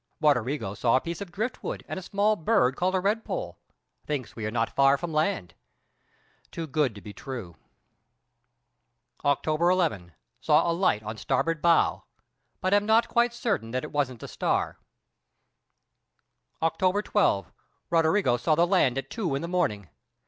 Roderigo saw a piece of driftwood and a small bird called a red poll. Thinks we are not far from land. Too good to be true. October 11. Saw a light on starboard bow, but am not quite certain that it wasn't a star. October 12. Roderigo saw the land at two in the morning.